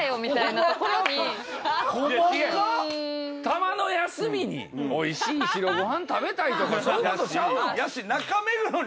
たまの休みにおいしい白ご飯食べたいとかそういう事ちゃうの？